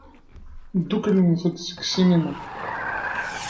Ddukklent-d seg ssinima.